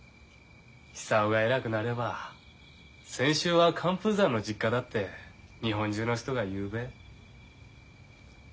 久男が偉くなれば千秋は寒風山の実家だって日本中の人が言うべ。